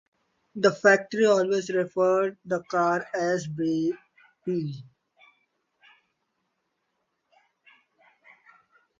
The factory always referred the car as Baby.